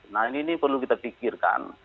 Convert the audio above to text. nah ini perlu kita pikirkan